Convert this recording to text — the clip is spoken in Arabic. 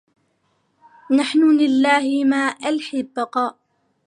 نحن لله ما لحي بقاء